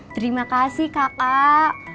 terima kasih kakak